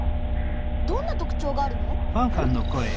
どんな特ちょうがあるの？